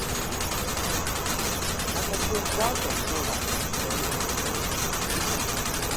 Tagad ļoti daudziem cilvēkiem ir ellīgi grūti.